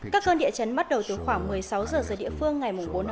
các cơn địa chấn bắt đầu từ khoảng một mươi sáu giờ giờ địa phương ngày bốn bảy